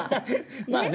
まあね。